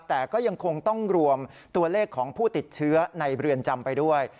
แต่ก็ยังคงต้องรวมตัวเลขของผู้ติดเชื้อในเรือนจำไปด้วย